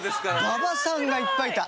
馬場さんがいっぱいいた。